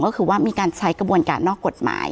ก็คือว่ามีการใช้กระบวนการนอกกฎหมาย